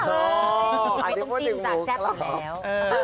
อ๋อต้องจิ้มจากแซ่บอีกแล้ว